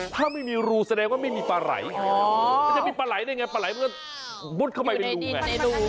เพราะว่าไม่มีปลาไหลมันจะมีปลาไหลได้ไงปลาไหลมันก็บุ๊ดเข้าไปเป็นรู